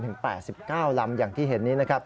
ถึง๘๙ลำอย่างที่เห็นนี้นะครับ